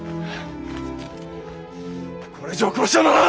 これ以上殺してはならん！